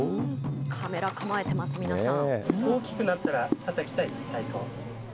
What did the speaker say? カメラ構えてます、皆さん。